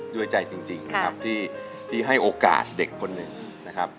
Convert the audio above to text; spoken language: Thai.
ด้วยใจจริงนะครับที่ให้โอกาสเด็กคนหนึ่งนะครับ